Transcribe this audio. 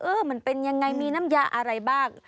มันเป็นยังไงมีน้ำยาอะไรบ้าง